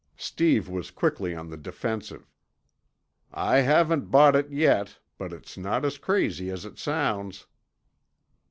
Steve was quickly on the defensive. "I haven't bought it yet, but it's not as crazy as it sounds."